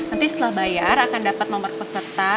nanti setelah bayar akan dapat nomor peserta